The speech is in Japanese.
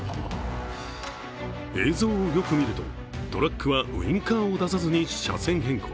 映像をよく見ると、トラックはウインカーを出さずに車線変更。